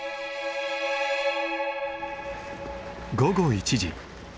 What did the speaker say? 午後１時。